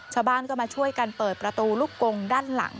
ชาวบ้านก็มาช่วยกันเปิดประตูลูกกงด้านหลัง